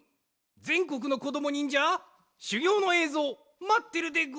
ぜんこくのこどもにんじゃしゅぎょうのえいぞうまってるでござる！